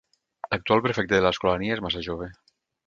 L'actual prefecte de l'Escolania és massa jove.